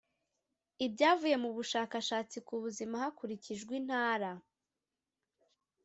ibyavuye mu bushakashatsi ku buzima hakurikijwe intara